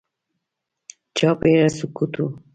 چاپېره سکوت و.